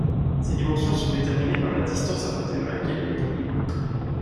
Ses dimensions sont déterminées par la distance à partir de laquelle elle est vue.